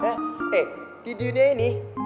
eh di dunia ini